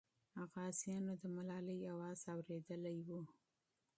غازیانو د ملالۍ اواز اورېدلی وو.